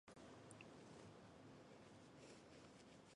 东京音乐大学音乐学部毕业。